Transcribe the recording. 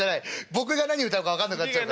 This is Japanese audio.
僕が何歌うか分かんなくなっちゃうから。